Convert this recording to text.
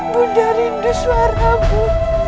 bunda rindu suaramu